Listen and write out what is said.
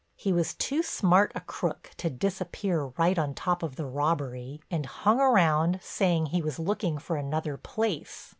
He was too smart a crook to disappear right on top of the robbery, and hung around saying he was looking for another place.